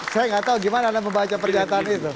saya nggak tahu gimana anda membaca pernyataan itu